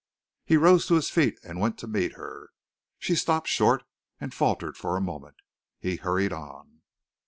He rose to his feet and went to meet her. She stopped short and faltered for a moment. He hurried on.